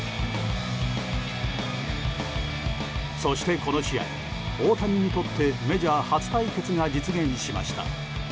そして、この試合大谷にとってメジャー初対決が実現しました。